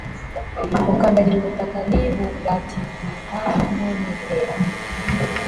ukandagira ubutaka ni bugatigita n umwitero